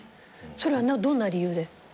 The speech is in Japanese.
それはどんな理由で？